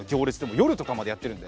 夜とかまでやってるんで。